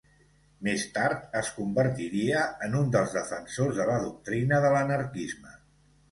Més tard, es convertiria en un dels defensors de la doctrina de l'anarquisme.